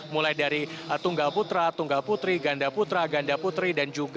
mulai dari tunggal putra tunggal putri ganda putra ganda putri